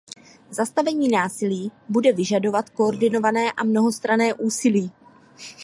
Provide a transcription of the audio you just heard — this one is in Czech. Zastavení násilí bude vyžadovat koordinované a mnohostranné úsilí.